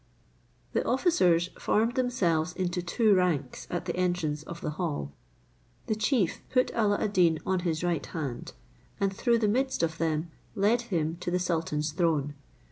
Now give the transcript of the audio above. The officers formed themselves into two ranks at the entrance of the hall. The chief put Alla ad Deen on his right hand, and through the midst of them led him to the sultan's throne.